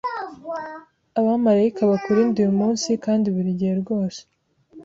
Abamarayika bakurinde uyu munsi kandi burigihe rwose